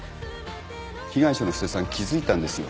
被害者の布施さん気付いたんですよ。